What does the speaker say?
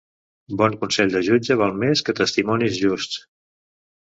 Bon consell de jutge val més que testimonis justs.